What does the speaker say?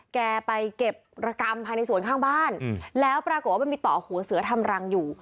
แกไปเก็บระกรรมภายในสวนข้างบ้านแล้วปรากฏว่ามันมีต่อหัวเสือทำรังอยู่